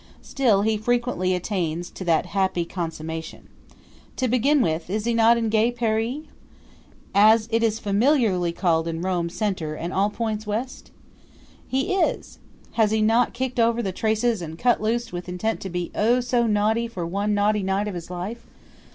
Still, he frequently attains to that happy comsummation. To begin with, is he not in Gay Paree? as it is familiarly called in Rome Center and all points West? He is! Has he not kicked over the traces and cut loose with intent to be oh, so naughty for one naughty night of his life?